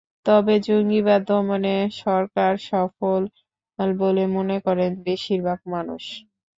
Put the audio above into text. তবে জঙ্গিবাদ দমনে সরকার সফল বলে মনে করেন বেশির ভাগ মানুষ।